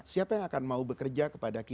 siapa yang akan mau bekerja kepada dunia ini